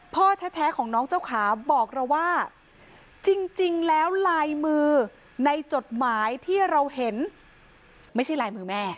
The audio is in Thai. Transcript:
พ่อแท้ของน้องเจ้าขาบอกเราว่าจริงแล้วลายมือในจดหมายที่เราเห็นไม่ใช่ลายมือแม่